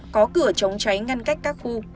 có cửa chống cháy ngăn cách các khu